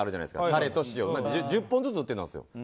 タレと塩１０本ずつ売ってたんですよ。